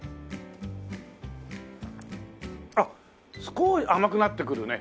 あっ甘くなってくるね。